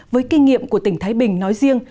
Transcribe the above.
với kinh nghiệm của tỉnh thái bình nói riêng